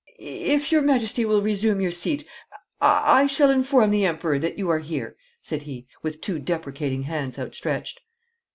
'If your Majesty will resume your seat I shall inform the Emperor that you are here,' said he, with two deprecating hands outstretched.